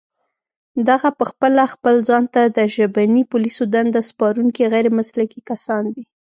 دغه پخپله خپل ځان ته د ژبني پوليسو دنده سپارونکي غير مسلکي کسان دي